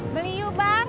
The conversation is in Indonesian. beli yuk bang